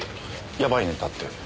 やばいネタって？